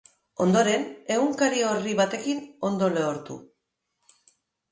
Ondoren, egunkari orri batekin ondo lehortu.